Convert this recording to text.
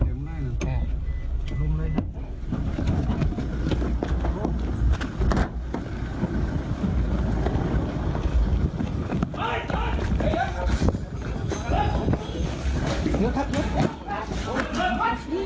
ว่าจะยึดเดี๋ยวเจ้าบ้านแบบ